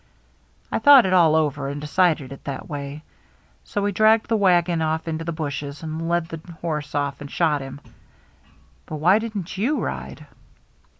I thought it all over and de (■i<lc<l if that way. So we dragged the wagon oflf' into the bushesi and led the horse off and nhot him. But why didn't you ride